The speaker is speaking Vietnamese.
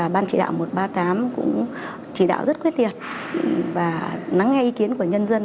ban chỉ đạo một trăm ba mươi tám cũng chỉ đạo rất quyết liệt và lắng nghe ý kiến của nhân dân